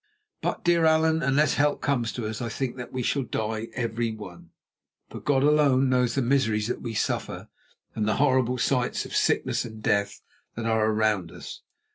"But, dear Allan, unless help comes to us I think that we shall die every one, for God alone knows the miseries that we suffer and the horrible sights of sickness and death that are around us.